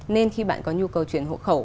nên khi bạn có nhu cầu chuyển hộ khẩu